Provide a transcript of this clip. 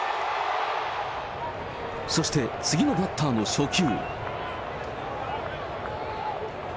そして、次のバッターの初球。